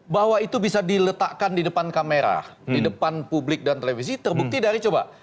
bahwa itu bisa diletakkan di depan kamera di depan publik dan televisi terbukti dari coba